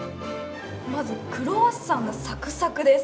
まずクロワッサンがサクサクです。